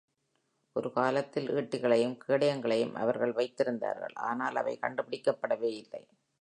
ஒரு காலத்தில், ஈட்டிகளையும் கேடயங்களையும் அவர்கள் வைத்திருந்தார்கள், ஆனால் அவை கண்டுபிடிக்கப்படவேயில்லை.